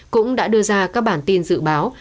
cũng đã đưa ra các bản tin dự báo